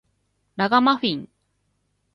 ラガマフィン